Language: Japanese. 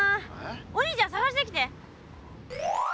お兄ちゃんさがしてきて！